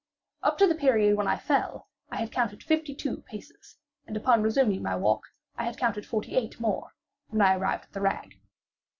Up to the period when I fell I had counted fifty two paces, and upon resuming my walk, I had counted forty eight more—when I arrived at the rag.